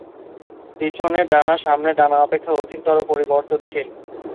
পিছনের ডানা সামনের ডানা অপেক্ষা অধিকতর পরিবর্তনশীল।